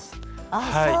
ああそう。